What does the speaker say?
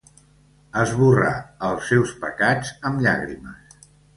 Esborrar els seus pecats amb llàgrimes.